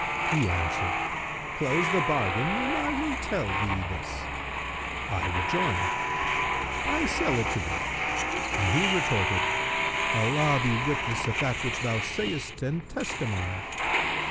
He answered, 'Close the bargain, and I will tell thee this;' I rejoined, 'I sell it to thee;' and he retorted, 'Allah be witness of that which thou sayst and testimony!'